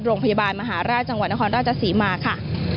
โรงพยาบาลมหาราชจังหวัดนครราชศรีมาค่ะ